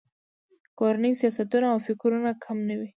کورني سیاستونه او فکرونه کم نه وي.